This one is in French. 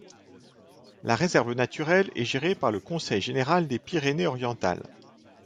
La réserve naturelle est gérée par le Conseil général des Pyrénées-Orientales.